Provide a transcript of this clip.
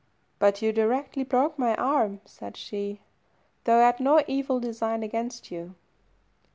"But you directly broke my right arm," said she, "though I had no evil design against you."